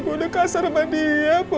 gue udah kasar sama dia boy